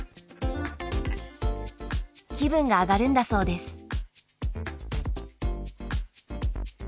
気分が上がるんだそうです。